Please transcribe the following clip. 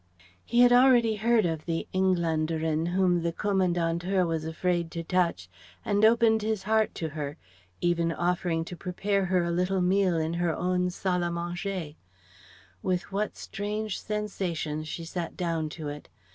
He had already heard of the Engländerin whom the Kommandantur was afraid to touch, and opened his heart to her; even offering to prepare her a little meal in her own salle à manger. With what strange sensations she sat down to it.